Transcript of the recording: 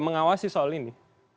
mengawasi soal ini